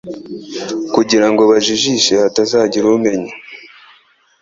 Kugira ngo bajijishe hatazagira umenya